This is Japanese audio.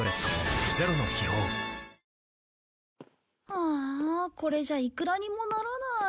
あーあこれじゃいくらにもならない。